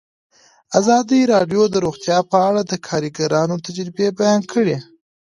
ازادي راډیو د روغتیا په اړه د کارګرانو تجربې بیان کړي.